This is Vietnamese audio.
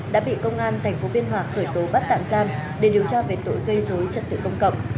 đã bị công an tp biên hòa khởi tố bắt tạm giam để điều tra về tội gây dối trật tự công cộng